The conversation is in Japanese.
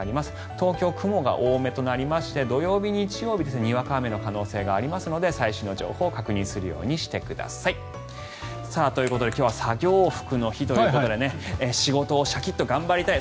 東京、雲が多めとなりまして土曜日、日曜日にわか雨の可能性がありますので最新の情報を確認するようにしてください。ということで今日は作業服の日ということで仕事をシャキッと頑張りたい。